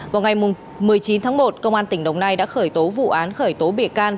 vào ngày một mươi chín tháng một công an tỉnh đồng nai đã khởi tố vụ án khởi tố bị can